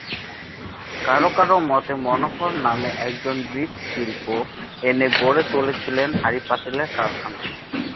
কারো-কারো মতে মনোহর নামে একজন মৃৎশিল্প/কুম্বকার এনে গড়ে তোলে ছিলেন হাড়ি-পাতিলের কারখানা।